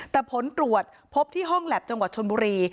แต่ผลตรวจพบที่ห้องแล็บจังหวัดชนบุรี